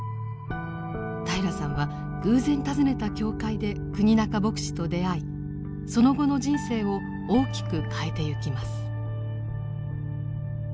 平良さんは偶然訪ねた教会で国仲牧師と出会いその後の人生を大きく変えてゆきます。